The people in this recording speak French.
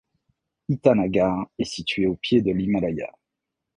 Itanagar est située au pied de l'Himalaya.